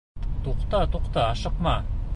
— Туҡта-туҡта, ашыҡма!..